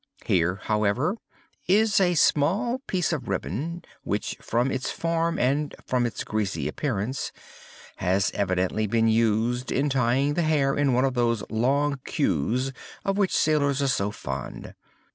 Here, however, is a small piece of ribbon, which from its form, and from its greasy appearance, has evidently been used in tying the hair in one of those long queues of which sailors are so fond.